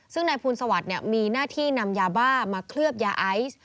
ซึ่งนายภูลสวัสดิ์มีหน้าที่นำยาบ้ามาเคลือบยาไอซ์